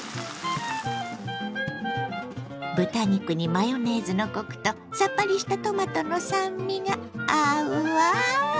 豚肉にマヨネーズのコクとさっぱりしたトマトの酸味が合うわ。